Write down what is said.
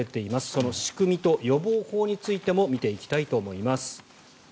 その仕組みと予防法についても見ていきたいと思います。